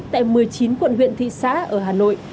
tại một mươi chín quận huyện thị xã ở hà nội